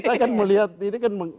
kita kan melihat ini kan